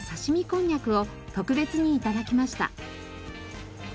こんにゃくを特別に頂きました。